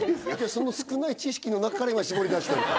その少ない知識の中から今絞りだしてんだ